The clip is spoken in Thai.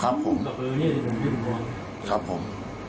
ครับผมครับผม